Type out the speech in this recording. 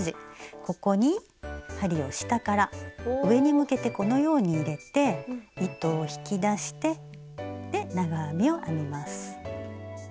ここに針を下から上に向けてこのように入れて糸を引き出して長編みを編みます。